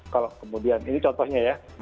kalau kemudian ini contohnya ya